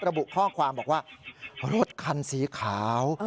ระบุข้อความบอกว่ารถคันสีขาว